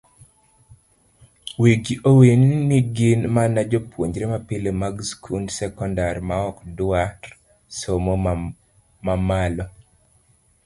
Wigi owil ni gin mana jopuonjre mapile mag skund sekondari maok dwar somo mamalo.